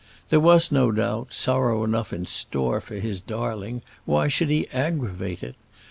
There was, no doubt, sorrow enough in store for his darling; why should he aggravate it?